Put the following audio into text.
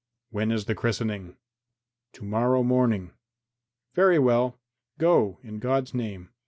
"When is the christening?" "To morrow morning." "Very well; go, in God's name.